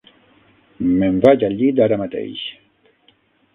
Me'n vaig al llit ara mateix.